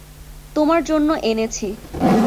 তোমার জন্য এনেছি।